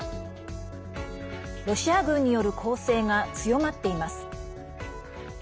ロシア軍による攻勢が強まっています。